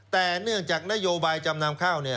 แต่เนื่องจากนโยบายจำนำข้าว